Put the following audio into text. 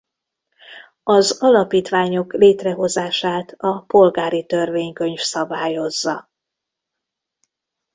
Az alapítványok létrehozását a Polgári törvénykönyv szabályozza.